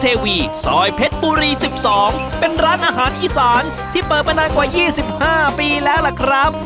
ซอยเพชรบุรี๑๒เป็นร้านอาหารอีสานที่เปิดมานานกว่า๒๕ปีแล้วล่ะครับ